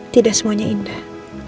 tidak semuanya indah